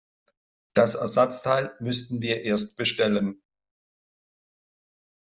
Das Ersatzteil müssten wir erst bestellen.